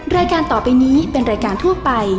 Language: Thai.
รายการต่อไปนี้เป็นรายการทั่วไป